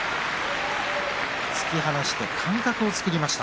突き放して間隔を作りました。